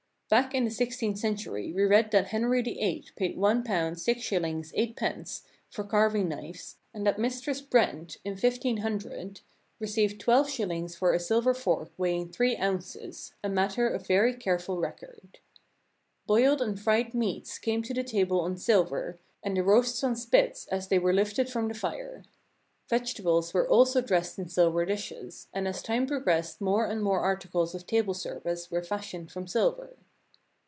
Back in the sixteenth century we read that Henry VII [i8] Henry VII paid £i, 6 shillings, 8 pence for carving knives, and that Mistress Brent, in 1500, received 12 shillings for a silver fork weighing 3 ounces, a matter of very careful record.. Boiled and fried meats came to the table on silver, and the roasts on spits as they were lifted from the fire. Vegetables were also dressed in silver dishes, and as time progressed more and more articles of table service were fashioned from silver.